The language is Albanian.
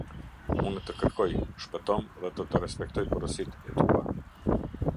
Unë të kërkoj; shpëtomë, dhe do të respektoj porositë e tua.